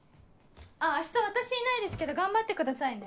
あっ明日私いないですけど頑張ってくださいね。